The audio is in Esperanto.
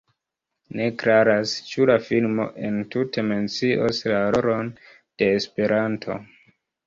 Ne klaras, ĉu la filmo entute mencios la rolon de Esperanto.